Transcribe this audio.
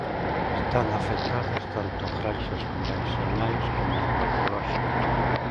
Están afectadas tanto granxas convencionais como ecolóxicas.